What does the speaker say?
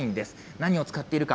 何を使っているか。